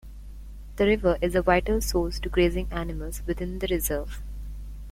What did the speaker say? The river is a vital source to grazing animals within the reserve.